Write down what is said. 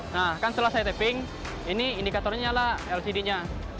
nah kan setelah saya taping ini indikatornya nyala lcd nya